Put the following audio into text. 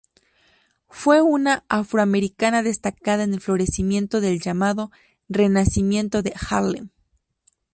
Fue una afroamericana destacada en el florecimiento del llamado Renacimiento de Harlem.